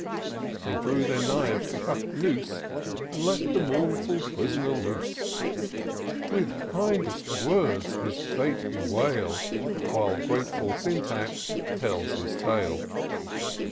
They drew their knives to cut the noose. And let the mounful pris'ner loose ; With kindest words his fete bewail, While grateful Syntax tells his tale.